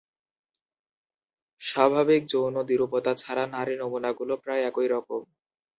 স্বাভাবিক যৌন দ্বিরূপতা ছাড়া নারী নমুনাগুলো প্রায় একই রকম।